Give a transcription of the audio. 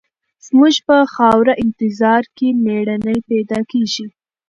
زموږ په خاوره انتظار کې مېړني پیدا کېږي.